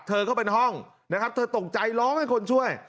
เธอก็เป็นห้องนะครับเธอตกใจร้องให้คนช่วย